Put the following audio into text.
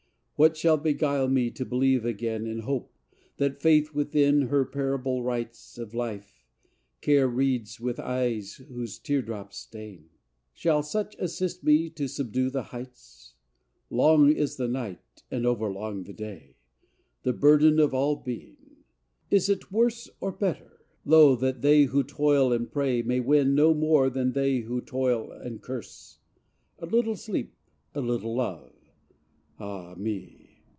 What shall beguile me to believe again In hope, that Faith within her parable writes Of life, Care reads with eyes whose teardrops stain? Shall such assist me to subdue the heights? Long is the night, and overlong the day. The burden of all being! Is it worse Or better, lo! that they who toil and pray May win no more than they who toil and curse A little sleep, a little love, ah me!